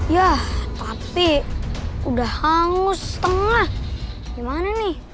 yah tapi udah hangus setengah gimana nih